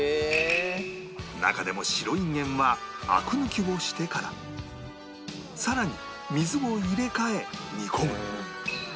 中でも白インゲンはアク抜きをしてから更に水を入れ替え煮込む